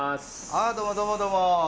あどうもどうもどうも。